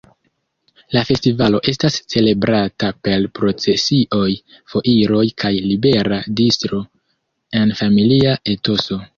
La festivalo estas celebrata per procesioj, foiroj kaj libera distro en familia etoso.